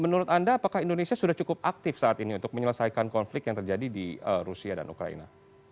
menurut anda apakah indonesia sudah cukup aktif saat ini untuk menyelesaikan konflik yang terjadi di rusia dan ukraina